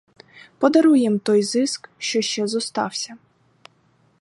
Подаруй їм той зиск, що ще зостався.